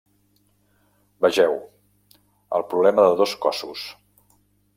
Vegeu: el problema de dos cossos.